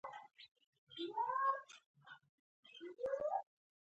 الیف هیڅ نه لری.